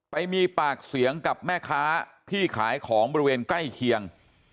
ไปมีปากเสียงกับแม่ค้าที่ขายของบริเวณใกล้เคียง